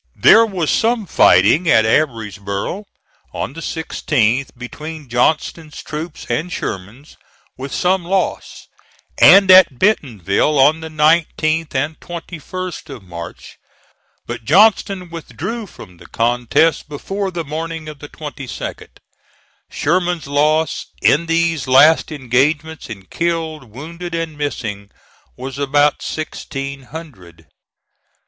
There was some fighting at Averysboro on the 16th between Johnston's troops and Sherman's, with some loss; and at Bentonville on the 19th and 21st of March, but Johnston withdrew from the contest before the morning of the 22d. Sherman's loss in these last engagements in killed, wounded, and missing, was about sixteen hundred.